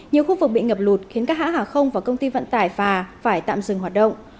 nhiều khu vực bị ngập lụt khiến các hãng hàng không và công ty vận tải phà phải tạm dừng hoạt động